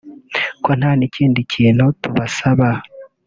ko nta n’ikindi kintu tubasaba”